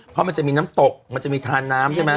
เพราะมันจะมีน้ำตกมันจะมีทานน้ำใช่ไหม